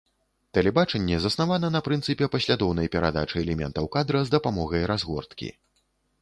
Тэлебачанне заснавана на прынцыпе паслядоўнай перадачы элементаў кадра з дапамогай разгорткі.